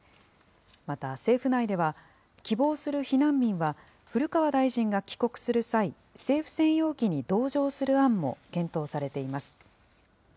また政府内では、希望する避難民は、古川大臣が帰国する際、政府専用機に同乗する案も検討されています。